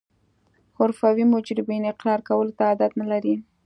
حرفوي مجرمین اقرار کولو ته عادت نلري